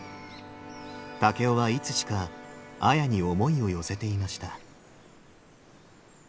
竹雄はいつしか綾に思いを寄せていました。